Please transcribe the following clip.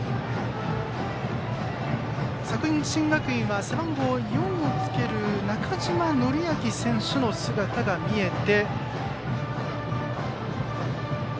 作新学院、背番号４をつける中島紀明選手の姿が見えて。